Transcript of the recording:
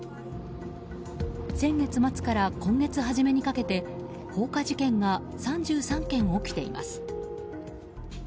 先月末から今月初めにかけて放火事件が３３件起きています。